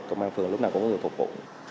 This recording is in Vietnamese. công an phường lúc nào cũng có người phục vụ